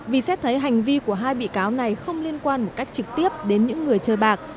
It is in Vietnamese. vì xét thấy hành vi của hai bị cáo này không liên quan một cách trực tiếp đến những người chơi bạc